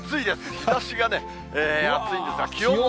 日ざしが暑いんですが、気温も。